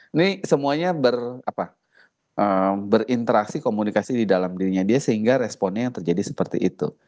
ini semuanya berinteraksi komunikasi di dalam dirinya dia sehingga responnya yang terjadi seperti itu